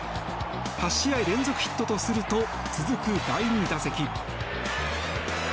８試合連続ヒットとすると続く第２打席。